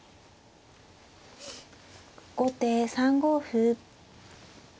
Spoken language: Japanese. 後手３五歩。